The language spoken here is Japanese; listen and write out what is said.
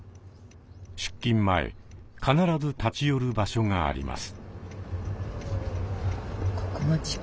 出勤前必ず立ち寄る場所があります。